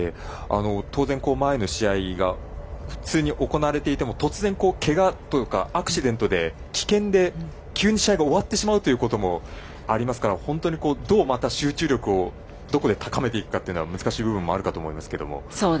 当然、前の試合が普通に行われていても突然、けがとかアクシデントで棄権で急に試合が終わってしまうということもありますから本当に、どう集中力をどこで高めていくのかは難しい部分があるかと思いますけど。